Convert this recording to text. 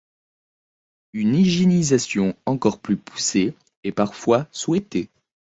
Une hygiénisation encore plus poussée est parfois souhaitée.